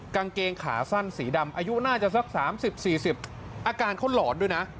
กางเกงขาสั้นสีดำอายุน่าจะสัก๓๐๔๐อาการเขาหลอนด้วยนะ